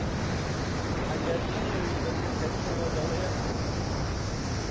ئەگەر نەیەوێ بە پێکەنینەوە دەڵێ: